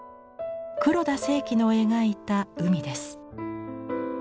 黒田清輝の描いた海です。